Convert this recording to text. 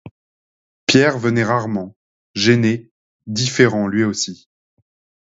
Pierre venait rarement, gêné, différent lui aussi.